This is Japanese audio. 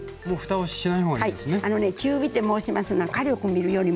はい。